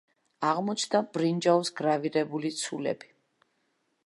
აღმოჩნდა ბრინჯაოს გრავირებული ცულები.